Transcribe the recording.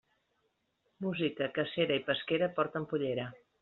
Música, cacera i pesquera porten pollera.